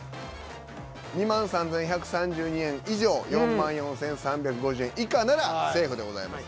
２万３，１３２円以上４万４，３５０円以下ならセーフでございます。